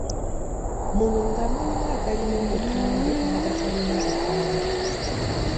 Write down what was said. Muno nga mulimu agalina obupande n’agatalina bupande.